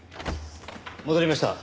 戻りました。